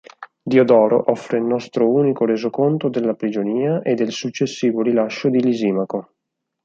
Diodoro offre il nostro unico resoconto della prigionia e del successivo rilascio di Lisimaco.